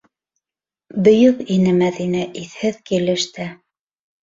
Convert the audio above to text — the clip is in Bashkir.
Бөйөк ине Мәҙинә иҫһеҙ килеш тә.